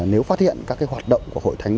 nếu phát hiện các hoạt động của hội thánh